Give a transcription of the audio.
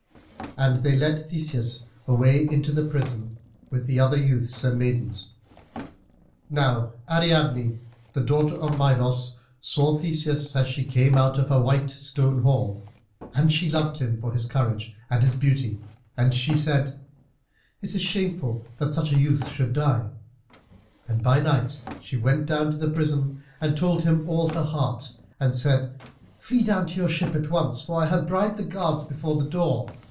And they led Theseus away into the prison, with the other youths and maidens. Now Ariadne, the daughter of Minos, saw Theseus as she came out of her white stone hall, and she loved him for his courage and his beauty, and she said, "It is shameful that such a youth should die." And by night she went down to the prison and told him all her heart, and said, "Flee down to your ship at once, for I have bribed the guards before the door.